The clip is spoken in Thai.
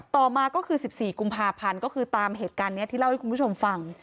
ต่อมาก็คือ๑๔กุมภาพันธ์ก็คือตามเหตุการณ์นี้ที่เล่าให้คุณผู้ชมฟัง